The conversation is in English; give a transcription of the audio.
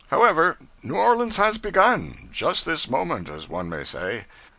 However, New Orleans has begun just this moment, as one may say.